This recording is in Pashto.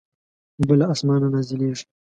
اوبه له اسمانه نازلېږي.